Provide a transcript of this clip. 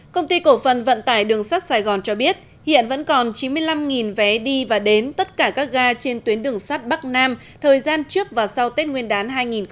công ty cổ phần vận tải đường sắt sài gòn cho biết hiện vẫn còn chín mươi năm vé đi và đến tất cả các ga trên tuyến đường sắt bắc nam thời gian trước và sau tết nguyên đán hai nghìn hai mươi